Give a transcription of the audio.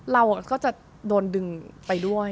เราก็จะโดนดึงไปด้วย